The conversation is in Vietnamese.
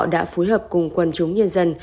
đã phối hợp cùng quân chúng nhân dân